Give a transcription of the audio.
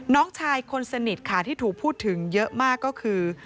น้องชายคนสนิทค่ะที่ถูกพูดถึงเยอะมากก็คือ